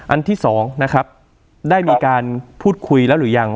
อันที่สองนะครับได้มีการพูดคุยแล้วหรือยัง